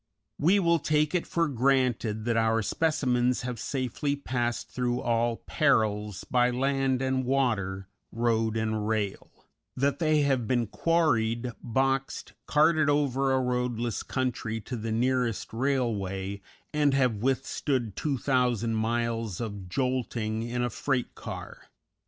We will take it for granted that our specimens have safely passed through all perils by land and water, road and rail; that they have been quarried, boxed, carted over a roadless country to the nearest railway, and have withstood 2,000 miles of jolting in a freight car.